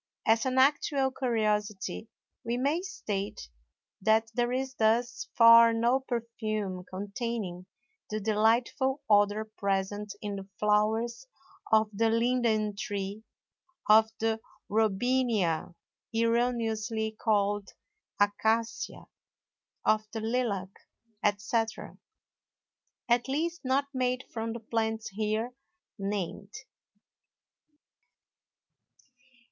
As an actual curiosity we may state that there is thus far no perfume containing the delightful odor present in the flowers of the linden tree, of the Robinia (erroneously called Acacia), of the lilac, etc., at least not made from the plants here named.